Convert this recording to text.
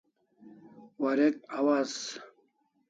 Warek awaz